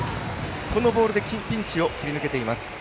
このボールでピンチを切り抜けています。